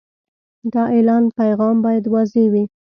د اعلان پیغام باید واضح وي.